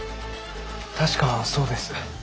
確かそうです。